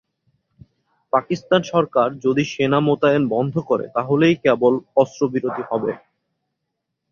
পাকিস্তান সরকার যদি সেনা মোতায়েন বন্ধ করে, তাহলেই কেবল অস্ত্রবিরতি হবে।